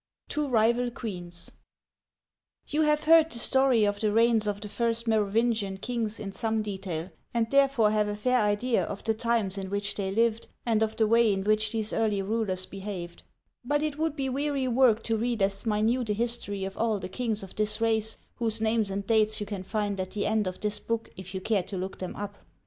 TWO RIVAL QUEENS YOU have heard the story of the reigns of the first Merovingian kings in some detail, and therefore have a fair idea of the times in which they lived, and of the way in which these early rulers behaved. But it would be weary work to read as minute a history of all the kings of this race, whose names and dates you can find at the end of this book if you care to look them up. ^ These names may be seen on the map on p.